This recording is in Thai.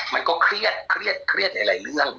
มันก็เครียดไหนล่ะทั้งมีอะไรเรื่อง